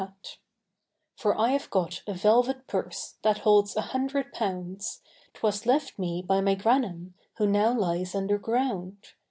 For I have got a velvet purse, That holds an hundred pounds, âTwas left me by my grannum, Who now lies under ground.